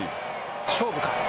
勝負か。